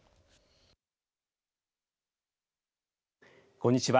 こんにちは。